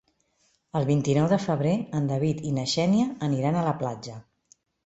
El vint-i-nou de febrer en David i na Xènia aniran a la platja.